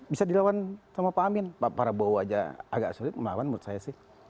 bisa dilawan sama pak amin pak prabowo aja agak sulit melawan menurut saya sih